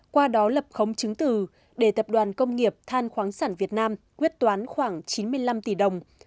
qua đó lập khống chứng từ để tập đoàn công nghiệp than khoáng sản việt nam quyết toán khoảng chín mươi năm tỷ đồng